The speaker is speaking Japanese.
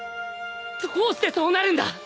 どうしてそうなるんだ！